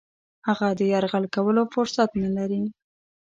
هغه د یرغل کولو فرصت نه لري.